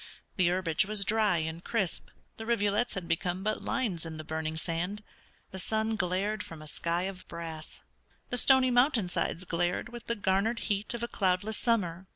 The herbage was dry and crisp, the rivulets had become but lines in the burning sand; the sun glared from a sky of brass; the stony mountainsides glared with the garnered heat of a cloudless summer.